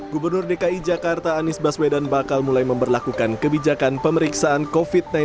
gubernur dki jakarta anies baswedan bakal mulai memperlakukan kebijakan pemeriksaan covid sembilan belas